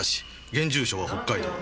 現住所は北海道。